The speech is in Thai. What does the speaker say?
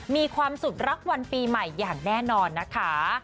มีความสุขรักวันปีใหม่อย่างแน่นอนนะคะ